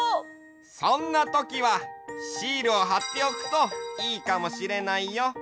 そんなときはシールをはっておくといいかもしれないよ。